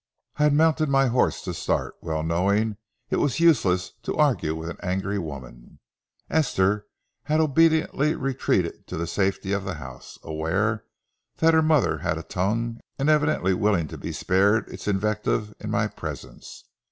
I had mounted my horse to start, well knowing it was useless to argue with an angry woman. Esther had obediently retreated to the safety of the house, aware that her mother had a tongue and evidently willing to be spared its invective in my presence.